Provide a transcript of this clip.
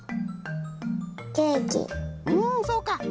んそうか！